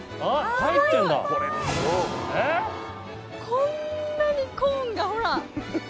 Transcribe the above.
こんなにコーンがほら！